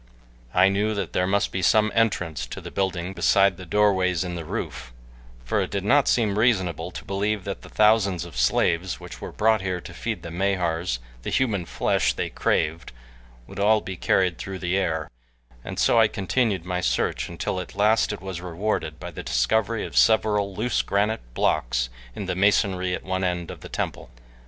I knew that there must be some entrance to the building beside the doorways in the roof, for it did not seem reasonable to believe that the thousands of slaves which were brought here to feed the Mahars the human flesh they craved would all be carried through the air, and so I continued my search until at last it was rewarded by the discovery of several loose granite blocks in the masonry at one end of the temple.